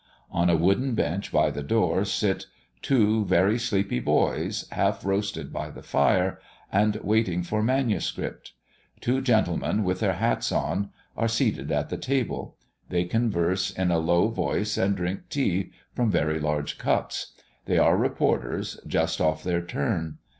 On a wooden bench by the door sit two very sleepy boys, half roasted by the fire, and waiting for manuscript. Two gentlemen, with their hats on, are seated at the table; they converse in a low voice, and drink tea from very large cups; they are reporters, just off their turn.